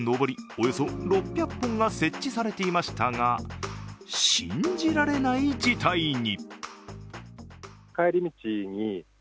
およそ６００本が設置されていましたが信じられない事態に。